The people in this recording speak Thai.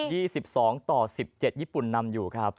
๒๒ต่อ๑๗ญี่ปุ่นนำอยู่ครับ